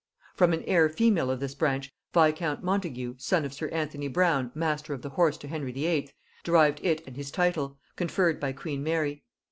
From an heir female of this branch viscount Montagu, son of sir Anthony Brown master of the horse to Henry VIII., derived it and his title, conferred by queen Mary.